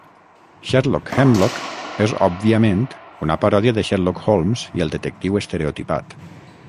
Sherlock Hemlock és òbviament una paròdia de Sherlock Holmes i el detectiu estereotipat.